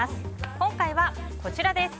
今回はこちらです。